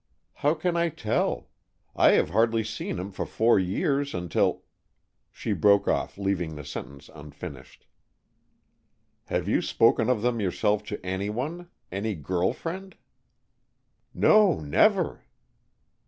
"How can I tell? I have hardly seen him for four years until " She broke off, leaving the sentence unfinished. "Have you spoken of them yourself to anyone? Any girl friend?" "No, never."